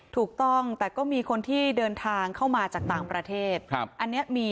ถูกต้องแต่ก็มีคนที่เดินทางเข้ามาจากต่างประเทศครับอันนี้มี